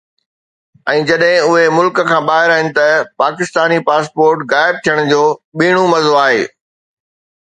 ۽ جڏهن اهي ملڪ کان ٻاهر آهن ته پاڪستاني پاسپورٽ غائب ٿيڻ جو ٻيڻو مزو آهي